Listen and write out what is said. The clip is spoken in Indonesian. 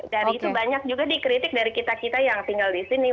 dari itu banyak juga dikritik dari kita kita yang tinggal di sini